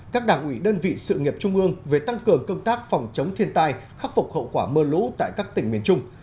các đảng ủy đơn vị sự nghiệp trung ương về tăng cường công tác phòng chống thiên tai khắc phục hậu quả mưa lũ tại các tỉnh miền trung